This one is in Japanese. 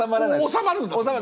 収まるんだって！